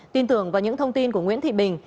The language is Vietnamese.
tin tưởng vào những thông tin của nguyễn thị bình